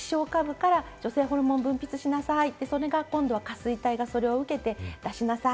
脳の視床下部から女性ホルモンを分泌しなさいと、それが下垂体を受けて、出しなさい。